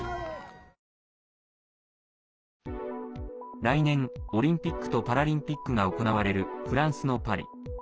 来年、オリンピックとパラリンピックが行われるフランスのパリ。